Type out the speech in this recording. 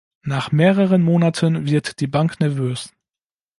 Nach mehreren Monaten wird die Bank nervös.